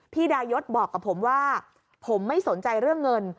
ดายศบอกกับผมว่าผมไม่สนใจเรื่องเงิน